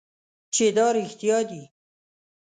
چې دا رښتیا دي .